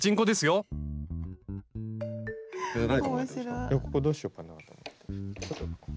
いやここどうしようかなと思って。